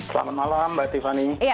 selamat malam mbak tiffany